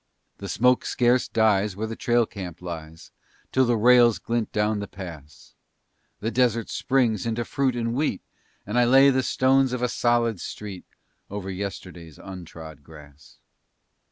The smoke scarce dies where the trail camp lies, Till the rails glint down the pass; The desert springs into fruit and wheat And I lay the stones of a solid street Over yesterday's untrod grass.